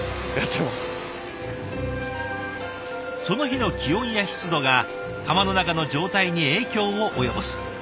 その日の気温や湿度が釜の中の状態に影響を及ぼす。